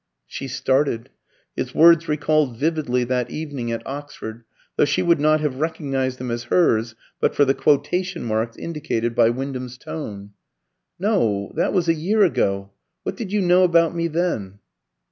She started. His words recalled vividly that evening at Oxford, though she would not have recognised them as hers but for the quotation marks indicated by Wyndham's tone. "No that was a year ago. What did you know about me then?"